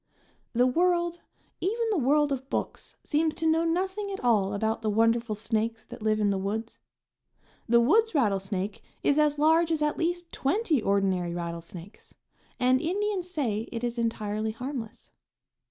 The world, even the world of books, seems to know nothing at all about the wonderful snakes that live in the woods. The woods rattlesnake is as large as at least twenty ordinary rattlesnakes; and Indians say it is entirely harmless.